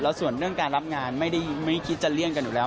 ส่วนเรื่องการรับงานไม่ได้ไม่คิดจะเลี่ยงกันอยู่แล้ว